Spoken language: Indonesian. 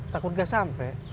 takut gak sampe